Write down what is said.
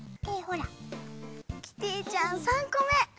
キティちゃん３個目。